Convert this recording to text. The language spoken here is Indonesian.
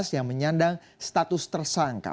yang menyandang status tersangka